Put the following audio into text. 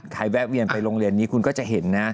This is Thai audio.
แวะเวียนไปโรงเรียนนี้คุณก็จะเห็นนะ